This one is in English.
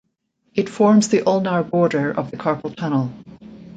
It forms the ulnar border of the carpal tunnel.